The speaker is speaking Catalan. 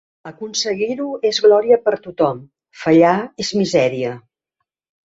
Aconseguir-ho és glòria per tothom, fallar és misèria.